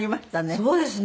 そうですね。